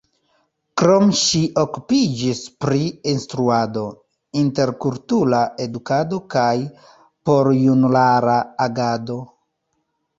Krome ŝi okupiĝis pri instruado, interkultura edukado kaj porjunulara agado.